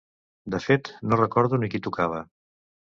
De fet, no recordo ni qui tocava.